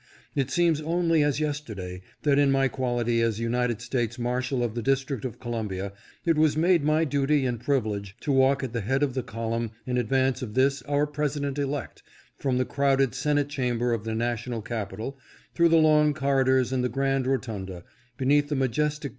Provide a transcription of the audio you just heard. It seems only as yesterday, that.in my quality as United States Marshal of the District of Columbia, it was made my duty and privilege to walk at the head of the column in advance of this our President elect, from the crowded Senate Chamber of the national capitol, through the long corridors and the grand rotunda, beneath the majestic (577) 578 INTERVIEW WITH PRESIDENT GARFIELD.